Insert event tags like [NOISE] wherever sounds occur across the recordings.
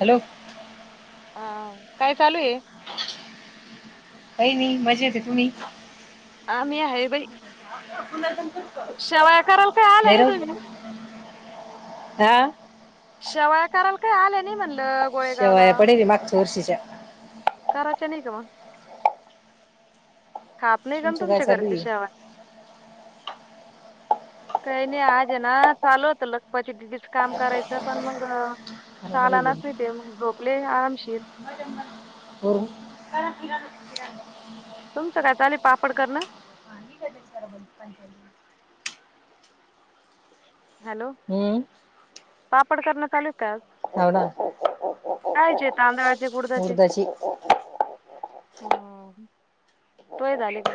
Hello अ काय चालू आहे? काही नाही मजेत आहे तुम्ही आ मी आहे बरी आपण शेवाया कराल का आलं नाही तुम्ही? हा शेवाया कराला का आलं नाही म्हणलं गोळेगावला च्या कराच्या नाही का म खात नाही कोन तुमचं काय तुमच्या चालू घरचे आहे शेवाया काही नाही आज ना चालू होत लग पच दिदीच काम करायचं पण मग बरोबर चाला आहे चलाच नही येत मग झोपले आरामशीर बोल बरं तुमचं काय चाले पापड करणं? हॅलो हम्म पापड करण चालूय का आज. हव ना. काय चे तांदळाचे. उडदाचे हम तोये झाले का.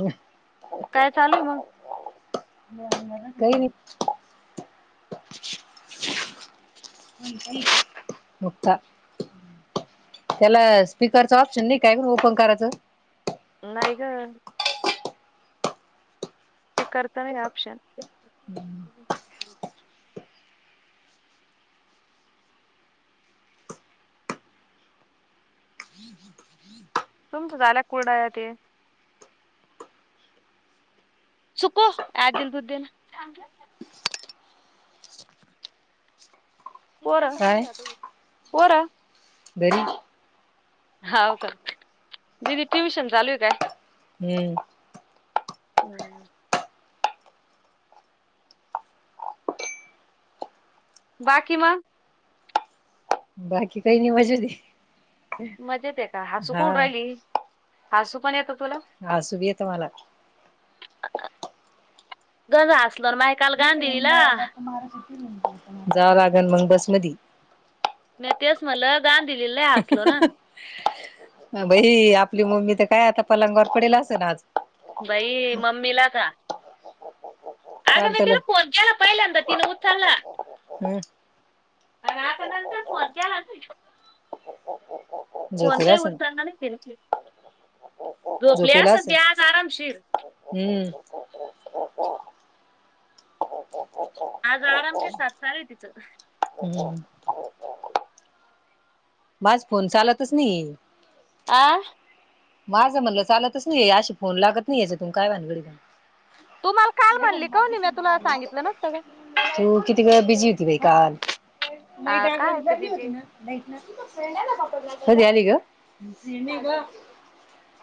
काही काय चालूय मग काही नाही मुक्ता त्याला स्पीकरच ऑप्शन नाही काय ग ओपन करायचं नाही ग ते करता नहीय ऑप्शन तुमच झाल्या कुडाया ते. सुको आजीला दुध देना पोर पोर बरीई हाव कर दिदी ट्युशन चालू आहे काय? हम्म हूं बाकी म बाकी काही नाही मजेत हे मजेत हे का हसू कोण राहिली हसू पण येतो हासु बी येत मला गंज हसलो न माय काल गांधी ई [UNINTELLIGIBLE] जाव लागन मग बस मधी. म्या तेस मनल गांध दिल्लील लई हासलो ना बही आपली मम्मी तर काय आता पलंगावर पडेल असंन आज बई मम्मीला का अग काल मी तर तिला फोन केला पाहिल्यांदा तिनं उ [UNINTELLIGIBLE] हूं अ आता नंतर फोन केला नही. फोन झोपेला काही असेल उचलला नाही तिन झोपली झोपेला असल ती असेल आज आरामशीर [UNINTELLIGIBLE] आज आराम के सात चालूय तिच. [UNINTELLIGIBLE] माज फोन चालतच नहीय आ माझं म्हणलं चालतच नाही अशी फोन लागत नाही ह्याचातुन काय भानगड आहे? तू मला काल म्हणली का नाही मी तुला सांगितलं नसतं का तो किती वेळ बिझी होती बाई काल? नाही अ काय डागर होतं झरली तिथे होती ना नाही नक्की तो फ्रेंड आहे न कधी आली ग सिमी ग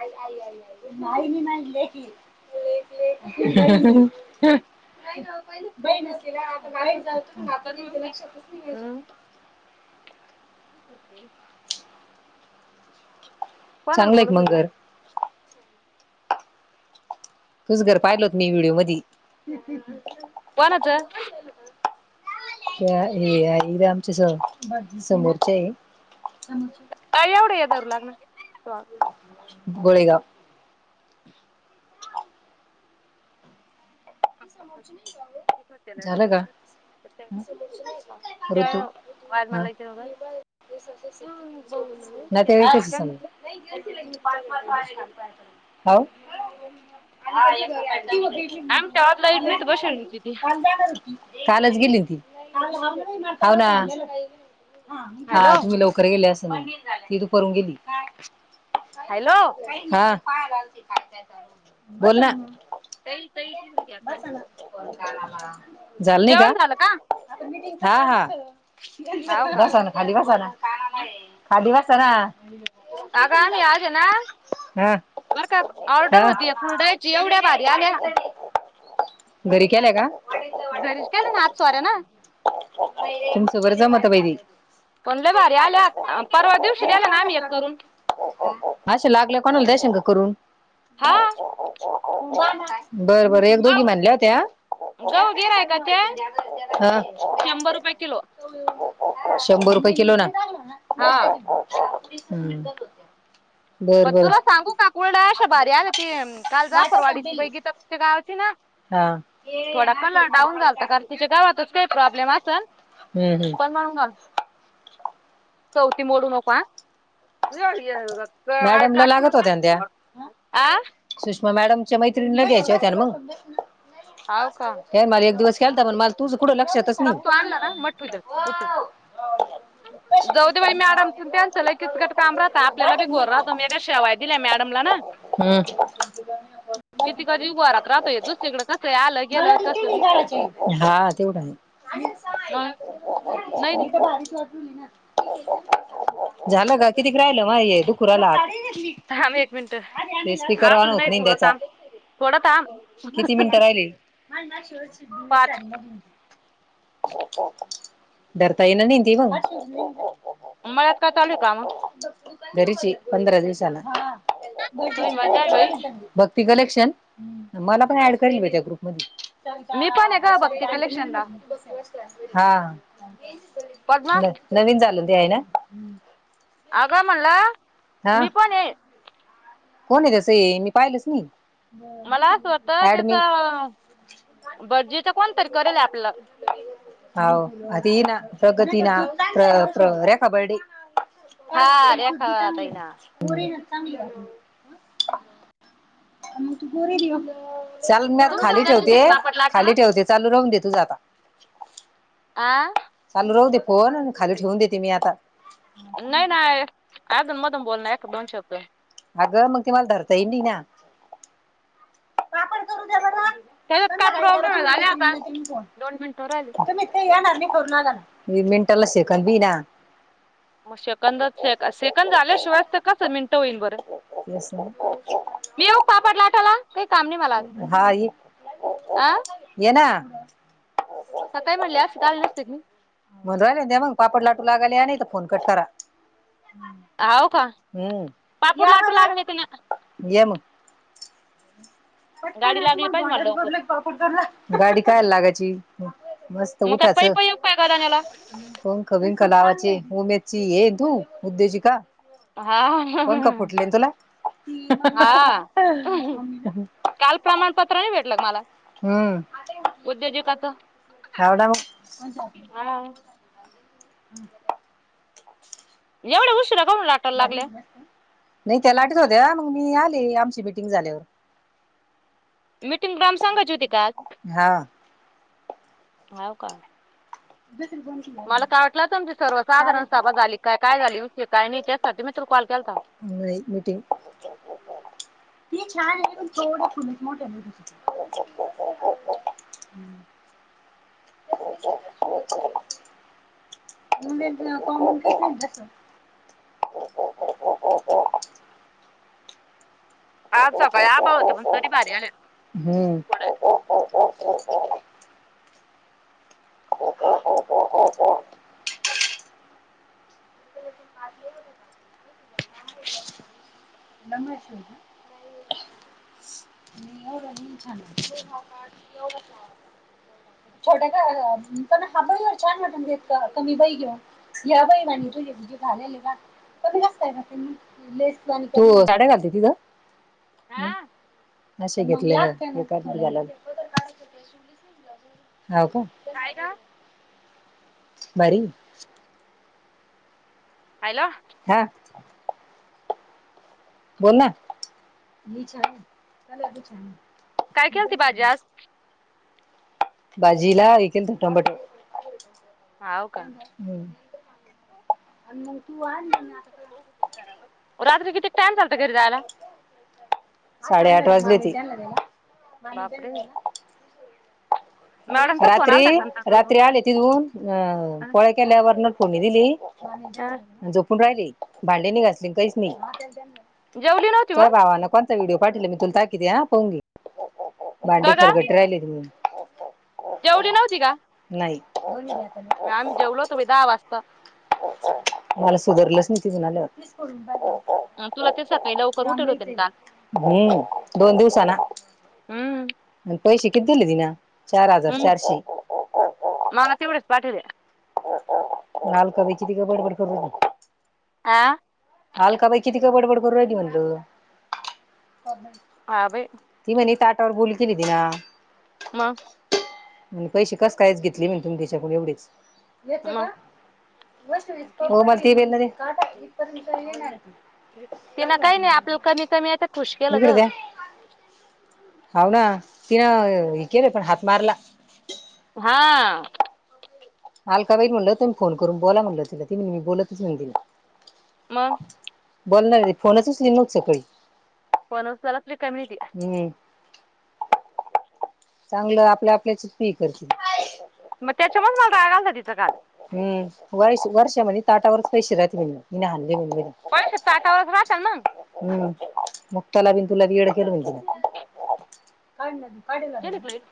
आई आई आई आई नाय मी नाय म्हटले की बहीण असलेला आता बाहेर जातो. आता किनती लक्षातच निघयचो. च च कोणाला चांगलंय एक बोलत होती? मंगर ह् तुझं घर पाहिल होत मी व्हिडिओ मधी. कोणाच? त्या हे आहे इथे आमच्या स समोरचे आहे. काय एवढं धरू लागणार. गोळेगाव झालं का ऋतू त्या हा वायरमैनला इथे बघाल [UNINTELLIGIBLE] करताय हो आमच्या वाद लाईट नाही तर बसेल होती ती. कालचं गेली होती. हावना हा हॅलो तुम्ही लवकर गेले असा ती दुपारून गेली. हॅलो हा. बोल ना ताई ताई घ्या खाली वरून हा जेवण झालं का? हा हा. हाव का? बसव ना खाली बसव ना. खाली बसा ना. आगा आम्ही आले ना हा बर का ऑर्डर हा होती कुरडायची एवढ्या भारी आल्या घरी केलंय का? घरीच केल्यानं हात सोऱ्यान तुमचं बर जामता बाई ते पण लय भारी आल्यात अ परवा दिवशी द्याला ना आम्ही एक करून [UNINTELLIGIBLE] असे लागल्यावर कोणाला देशील का? करून [UNINTELLIGIBLE] हा [UNINTELLIGIBLE] बर बर दोघी गव म्हणल्या होत्या गव गिरायकाचे शंभर रुपये किलो [UNINTELLIGIBLE] शंभर रुपये किलो न [UNINTELLIGIBLE] हा हम्म बर पण बर तुला सांगू हा का कुरडया अशा भारी आलत्या काल जाफरवाडी बाई गीतापूरच्या गावाची ना थोडा कलर डाऊन झालता कारण तिच्या गवातच काही प्रॉब्लेम असेन हम्म हम्म पण मगं म्हणून सवती मोडू नको आ [UNINTELLIGIBLE] मॅडमला लागत होत्या ना त्या आ सुषमा मॅडमच्या मैत्रि णिला द्यायच्या होत्याना मग त्यानं मला एक दिवस केलता मला तुझ तो आणला ना मग ठेव इथं उतर जाऊ दे बाई मॅडम त्यांचं लय किचकट काम राहत आपल्याला बी घोर राहतो मी त्या शेवाय दिल्या मॅडमला ना हम्म कितीक जीव घोरात राहतोय दुसरीकडे कस आलं गेलं कस बी हा तेवढं आहे [UNINTELLIGIBLE] [UNINTELLIGIBLE] झालं काय किती राहिलं महा ये दुखू राहिला हात थांब एक मिनिट ते स्पीकर ऑन अजून होत नाही थोडा त्याचा. थांब -थोडं थांब. किती मिनिटं [UNINTELLIGIBLE] [UNINTELLIGIBLE] पाच धरता ये ना न तेवा मळ्यात काय चालूये काम? घरीचे पंदरा दिवसाला तुम्ही मजा आहे बाई बघ कलेक्शन मला पण ऍड करेल बाई त्या ग्रुप मधी मी पण आहे का भक्ती कलेक्शनला हा पद्मा न नवीन झालं. ते आहे ना आ गं म्हणलं हा मी पण ये कोण ये ग सये मी पाहिलच नाही. मला अस वाटतं ऍडमिन. त्याचा भटजीच हवं आधी येईन ना प्रगती ना प्र प्र रेखा बरडे हा रेखा ताई ना [UNINTELLIGIBLE] [UNINTELLIGIBLE] चाल म्या तुमच्याच खाली गल्लीत ठेवते एक पापड लाटा खाली ना. ठेवते. राहून दे तुझं आता आ हो न खाली ठेवून देते मी आता नाही नाही अजून मधून बोलण आहे दोन शब्द अगं मग त मला धरता येईना त्याच्यात काय संध्याकाळी करा प्रॉब्लेम तुम्ही झाले मैत्रीणी आता मैत्रिणी फोन दोन मिनिटं राहिले तुम्ही तर काही येणार नाही मिनटाला सेकंद भी ना मग सेकंदच ये का सेकंद झाल्याशिवाय तर ते कस मिनीट कस होईल बरं, तेच ना मी येऊ पापड लाटायला? हा ये आ ये ना अ सकाळी म्हणले असते तर आले नसते का मी म्हणू राहिल्या ना त्या मग पापड लाटू लागायला या नाही तर फोन कट करा. हाव का हम्म पापूड लाटू लागले ते ना ये मग गाडी लागली पाहिजे मला लवकर गाडी काय लागायची हो मग काय पै पै येऊ काय घराण्याला कलावाची उमेदची ये तू उद्देशिका हा पंख फुटले तुला हा काल प्रमाणपत्र नाही भेटलं की मला हम्म उद्योजकाचं हावडाव हा [INAUDIBLE] एवढं उशिरा काऊन लाटायला बारी लागल्या दिवस नाही त्या लाटीत होत्या, मग मी आले आमची मिटिंग झाल्यावर. मीटिंग ग्रामसंघाची होती का आज? हा हाव का? मला त वाटलंतं आमची सर्वसाधारण सभा झाली काय काय झाली? विषय काय नाही त्यासाठी मी तु कॉल केलता. नाही मीटिंग [UNINTELLIGIBLE] [UNINTELLIGIBLE] [UNINTELLIGIBLE] आज सकाळी आभाळ होतं पण तरी भारी आले [UNINTELLIGIBLE] हं फोडायला. [UNINTELLIGIBLE] [UNINTELLIGIBLE] [UNINTELLIGIBLE] [UNINTELLIGIBLE] होय, साड्या घालती तितं. हम् हा [UNINTELLIGIBLE] काय गं? बारी ए. हॅलो हां बोल ना [UNINTELLIGIBLE] काय केलती बाजी आज? बाजीला हे केलतो टोमॅटो. हाव का. हम् रात्री किती टाइम झालता घरी जायला? जलेती [UNINTELLIGIBLE] बापरे मॅडमचा फोन रात्री, आलता का नंतर तुला रात्री मग? आले तितून, अं पोळ्या केल्या वरणं कोणी दिली? हा. जोपून राहिले. भांडी नई घासली अन काईच नाही. जेवली नव्हती च मग? गावानं कोनचा व्हिडिओ पाटिवलं तुल ताकीद हे हां पऊन घे. का भांडी ग? खरकट राहिले त म. जेवली नव्हती का? [UNINTELLIGIBLE] म आम्ही जेवलो होतो मी दहा वाजता मला सुधारलच नव्हतं जलाल अन तुला ते सकाळी लवकर उठेल होते ना काल. हं दोन दिवसाला हम्म. आणि पैसे किती दिले तिनं? चार हजार हम्म. चारशे. पाठ द्या नाल कबीची तीगं बड बड करु आ आलका बाई किती गं बडबड करू राहिली म्हणल हा बाई ती मने तर बोलतीन तिला मग? म्हने पैसे कस कायच घेतले मी एवढेच घ्यायचं मग का? वैष्णवीच तिन काही नाही आपल्या कमी कमी आहे तर खुश केलं इकडे ग द्या त्या एकीने पण हात मारला. हा आलका बाई म्हटलं होतं मी फोन करून बोला म्हणल तिला ती म्हणली मी बोलतच नाही तिला मग बोलणार नाही, फोनच उचलीत नव्हती सकाळी पणसत्याला लय काय माहिती हम्म चांगलं आपल्या आपल्याचीच पी करती तर घात हम्म वरिष वर्षाभरी ताटावरच पैशे राहती म्हणे मी न्यान पैशे ताटावरच राह त्याल ना हम्म मुक्ताला बी अन तुला बीन येडच [UNINTELLIGIBLE] काय आणल्यात काय नई झालं, गेली का लाईट?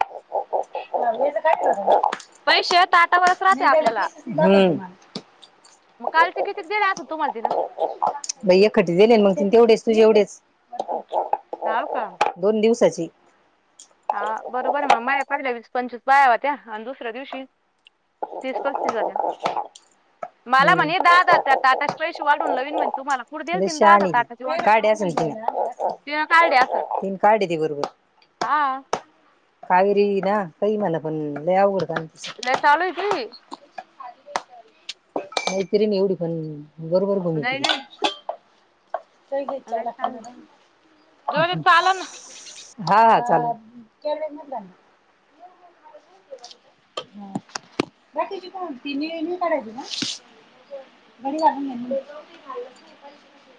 हा घे जा क काय गरज झाली पैशे येतात. हम्म मग कालचे कितीक दिले असं तुम्हाला तिनं बय एकट दिले न मग त तेवढेच तूज्या एवढेच. हाव का? दिली हा बरोबर म माया पाहिल्यावीस पंचावीस बाया होत्या आण दुसऱ्या दिवशी. तीस पस्तीस होत्या मला म्हणे दहा दहा त्या ताटाचे पैसे वाढून लावीन म्हणे तुम्हाला कुठं देईल लई तिनं दहा दहा शानीती ताटाचे वाढून काढले असलं तिन, तिनं काढले असं तीन काढीती बरोबर. हा कावेरी ना काही म्हणा पण लय आवघड. लई चालू ती मैत्रीण एवढी पण लय नाही [UNINTELLIGIBLE] हा लय चांगली जाऊदे चालन हा चालेल केलेय म्हणलान [UNINTELLIGIBLE]